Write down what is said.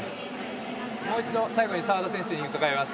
もう一度、最後に澤田選手にうかがいます。